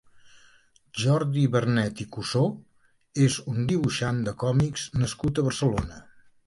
Jordi Bernet i Cussó és un dibuixant de còmics nascut a Barcelona.